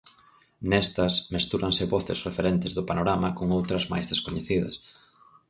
Nestas, mestúranse voces referentes do panorama con outras máis descoñecidas.